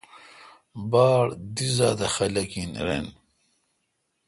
با ڑ دی زات اہ خلق این رن۔